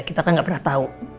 kita kan gak pernah tahu